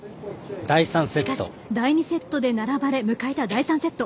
しかし、第２セットで並ばれ迎えた第３セット。